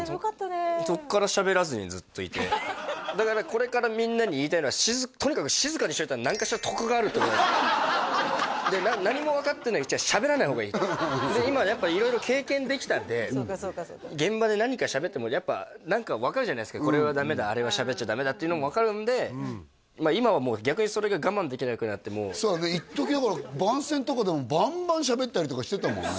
そこからしゃべらずにずっといてだからこれからみんなに言いたいのはとにかく何も分かってないうちはしゃべらない方がいいで今やっぱ色々経験できたんで現場で何かしゃべってもやっぱ分かるじゃないですかこれはダメだあれはしゃべっちゃダメだっていうのも分かるんで今はもう逆にそれが我慢できなくなってもうそうね一時だから番宣とかでもバンバンしゃべったりとかしてたもんね